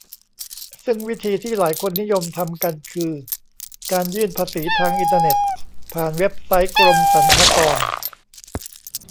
ซึ่งวิธีที่หลายคนนิยมทำกันคือ การยื่นภาษีทางอินเทอร์เน็ตผ่านเว็บไซต์กรมสรรพากร